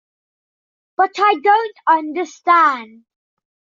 But I don't understand.